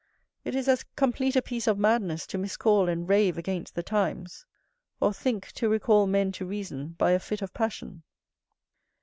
It is as complete a piece of madness to miscall and rave against the times; or think to recall men to reason by a fit of passion.